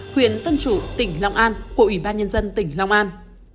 huyện tân chủ tp hcm của ủy ban nhân dân tp hcm